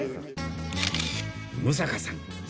六平さん